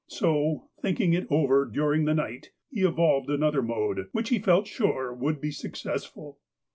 So, thinking it over during the night, he evolved another mode, which he felt sure would be successful.